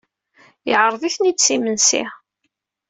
Yeɛreḍ-iten-id s imensi.